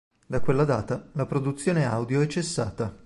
Da quella data la produzione audio è cessata.